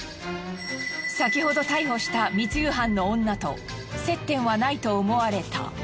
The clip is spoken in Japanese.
先ほど逮捕した密輸犯の女と接点はないと思われた。